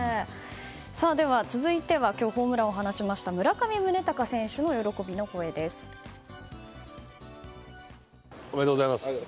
では続いては今日ホームランを放ちましたおめでとうございます。